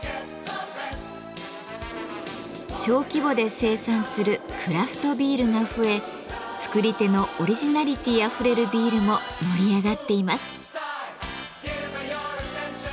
小規模で生産する「クラフトビール」が増え作り手のオリジナリティーあふれるビールも盛り上がっています。